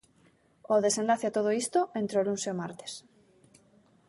O desenlace a todo isto, entre o luns e o martes.